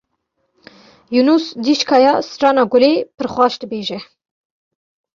Yûnûs dîşkaya strana Gulê pir xweş dibêje.